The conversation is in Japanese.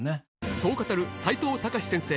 そう語る齋藤孝先生